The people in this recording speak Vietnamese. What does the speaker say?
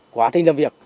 quả trình làm việc